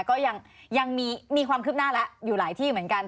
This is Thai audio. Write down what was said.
ก็ยังมีความคืบหน้าแล้วอยู่หลายที่เหมือนกัน